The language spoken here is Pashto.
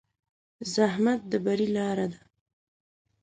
زحمت د بری لاره ده.